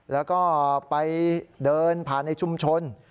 แล้วก็ไปเดินผ่านในชุมชน